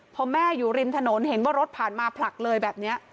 พอแม่อยู่ริมถนนเห็นว่ารถผ่านมาผลักเลยแบบนี้